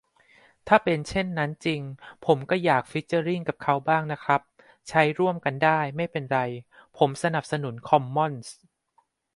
ถ้าเป็นเช่นนั้นจริง ผมก็อยากฟีเจอริ่งกับเขาบ้างนะครับ ใช้ร่วมกันได้ ไม่เป็นไร ผมสนับสนุนคอมมอนส์